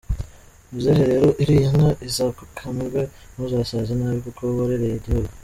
Muzehe rero iriya nka izagukamirwe ntuzasaze nabi kuko warereye igihugu”.